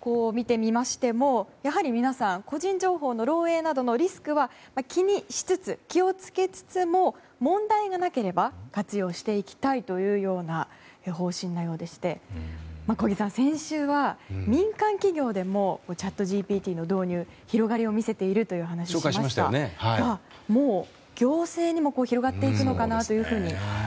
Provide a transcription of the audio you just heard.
こう見てみましても、皆さん個人情報の漏洩などのリスクは気にしつつ、気を付けつつも問題がなければ活用していきたいというような方針のようでして小木さん、先週は民間企業でもチャットＧＰＴの導入が広がりを見せているという話をしましたがもう行政にも広がっていくのかなと。